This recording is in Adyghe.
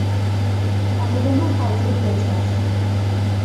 Адыгэмэ хьакIэр якIас.